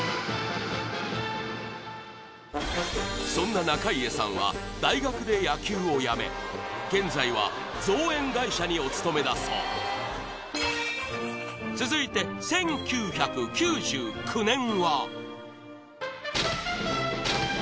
そんな中家さんは大学で野球をやめ現在は造園会社にお勤めだそう続いて１９９９年は？